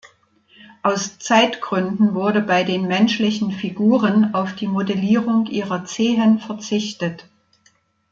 Aus Zeitgründen wurde bei den menschlichen Figuren auf die Modellierung ihrer Zehen verzichtet.